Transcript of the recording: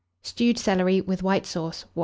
STEWED CELERY (with White Sauce). I.